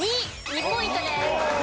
２ポイントです。